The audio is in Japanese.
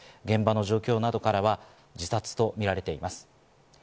現場の状況などからは自殺とみられています。